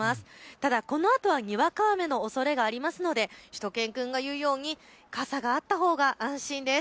ただ、このあとはにわか雨のおそれがあるのでしゅと犬くんが言うように傘があったほうが安心です。